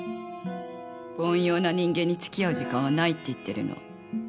凡庸な人間に付き合う時間はないって言ってるの。